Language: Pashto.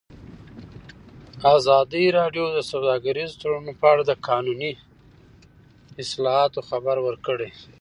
ازادي راډیو د سوداګریز تړونونه په اړه د قانوني اصلاحاتو خبر ورکړی.